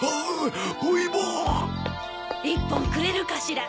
１本くれるかしら？